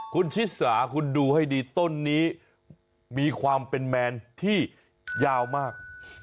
คุณชิสาคุณดูให้ดีต้นนี้มีความเป็นแมนที่ยาวมาก